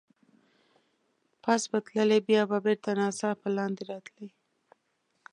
پاس به تللې، بیا به بېرته ناڅاپه لاندې راتلې.